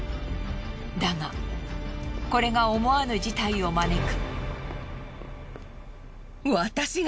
だがこれが思わぬ事態を招く。